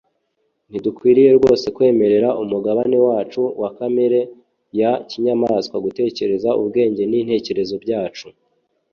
ntidukwiriye rwose kwemerera umugabane wacu wa kamere ya kinyamaswa gutegeka ubwenge n'intekerezo byacu